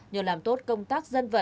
nhờ làm tốt công tác